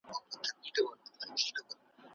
آیا د کتابونو درناوی کمیږي؟